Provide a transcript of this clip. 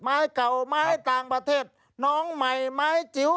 มาให้เก่ามาให้ต่างประเทศน้องใหม่มาให้จิ๋ว